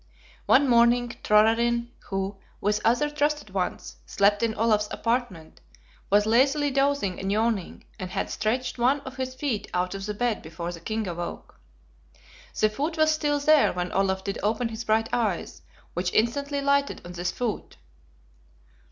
One morning Thorarin, who, with other trusted ones, slept in Olaf's apartment, was lazily dozing and yawning, and had stretched one of his feet out of the bed before the king awoke. The foot was still there when Olaf did open his bright eyes, which instantly lighted on this foot.